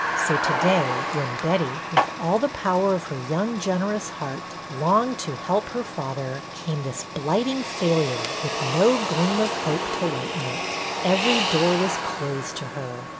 So to day, when Betty, with all the power of her young, generous heart, longed to help her father, came this blighting failure, with no gleam of hope to lighten it. Every door was closed to her.